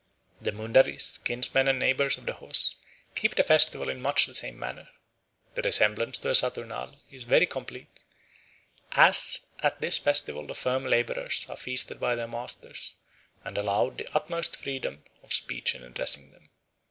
The Mundaris, kinsmen and neighbours of the Hos, keep the festival in much the same manner. "The resemblance to a Saturnale is very complete, as at this festival the farm labourers are feasted by their masters, and allowed the utmost freedom of speech in addressing them.